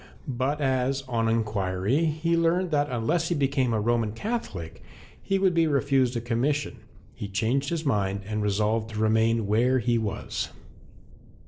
But as, on inquiry, he learned that unless he became a Roman Catholic he would be refused a commission, he changed his mind and resolved to remain where he was.